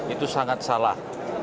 itu sangat salah